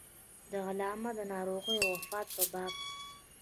د علامه د ناروغۍ او وفات په باب.